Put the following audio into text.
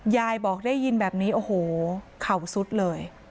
ยายบอกได้ยินแบบนี้โอ้โหเข่าสุดเลย